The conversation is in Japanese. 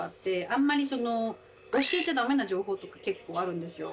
あんまりその教えちゃダメな情報とか結構あるんですよ。